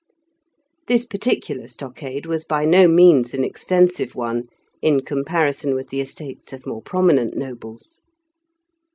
This particular stockade was by no means an extensive one, in comparison with the estates of more prominent nobles.